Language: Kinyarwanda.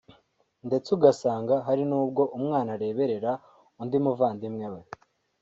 ndetse ugasanga hari n’ubwo umwana areberera undi muvandimwe we